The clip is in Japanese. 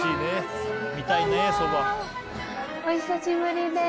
お久しぶりです。